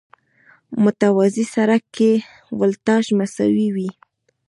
متوازي سرکټ کې ولټاژ مساوي وي.